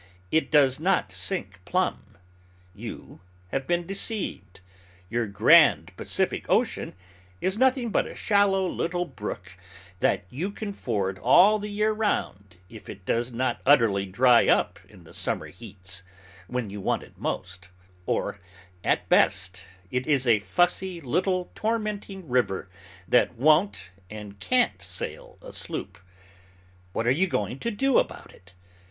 It does not sink plumb. You have been deceived. Your grand Pacific Ocean is nothing but a shallow little brook, that you can ford all the year round, if it does not utterly dry up in the summer heats, when you want it most; or, at best, it is a fussy little tormenting river, that won't and can't sail a sloop. What are you going to do about it?